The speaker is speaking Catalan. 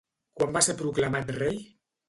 Quan va ser proclamat rei?